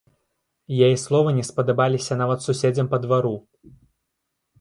Яе словы не спадабаліся нават суседзям па двару.